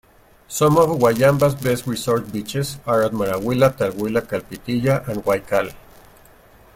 Some of Wayamba's best resort beaches are at Marawila, Talwila, Kalpitiya and Waikkal.